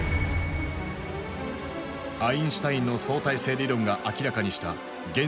アインシュタインの相対性理論が明らかにした原子の力。